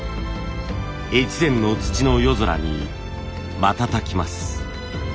越前の土の夜空に瞬きます。